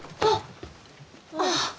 ああ。